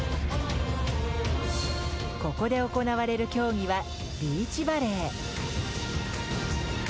ここで行われる競技はビーチバレー。